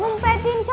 yang pertama si salsa